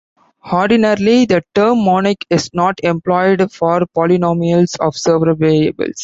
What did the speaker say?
Ordinarily, the term "monic" is not employed for polynomials of several variables.